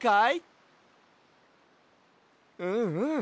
うんうん。